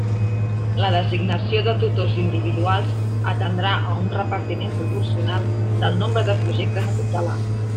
La designació de tutors individuals atendrà a un repartiment proporcional del nombre de projectes a tutelar.